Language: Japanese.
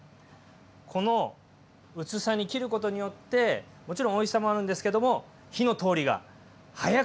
この薄さに切ることによってもちろんおいしさもあるんですけども火の通りが早くなる！